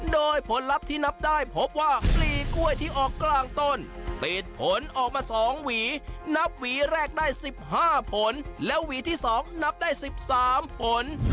โดยผลลัพธ์ที่นับได้พบว่าปลีกล้วยที่ออกกลางต้นปิดผลออกมา๒หวีนับหวีแรกได้๑๕ผลและหวีที่๒นับได้๑๓ผล